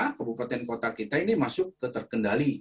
dari kabupaten dan kota kita masuk ke kondisi terkendali